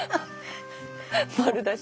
丸出し。